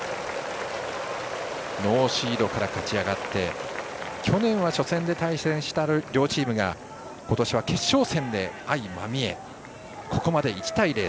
ノーシードから勝ち上がって去年は初戦で対戦した両チームが今年は決勝戦で相まみえここまで１対０で